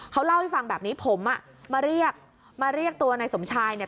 เขาเล่าให้ฟังแบบนี้ผมอ่ะมาเรียกมาเรียกตัวนายสมชายเนี่ย